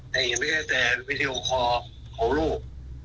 แต่เห็นไม่ใช่แต่วิดีโอคอของลูก